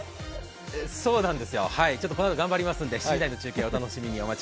そうなんですよ、このあと頑張りますので７時台の中継、お楽しみに。